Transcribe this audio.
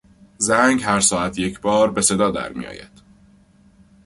زنگ هر ساعت یکبار به صدا در میآید.